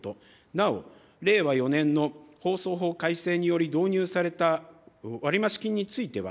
なお、令和４年の放送法改正により導入された割増金については、